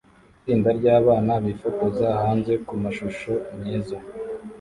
Itsinda ryabana bifotoza hanze kumashusho meza